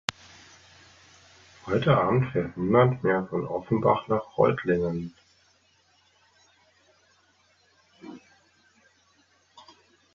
Heute Abend fährt niemand mehr von Offenbach nach Reutlingen